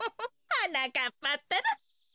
はなかっぱったら。